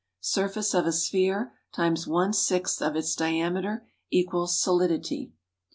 Surface of a sphere × one sixth of its diameter = Solidity.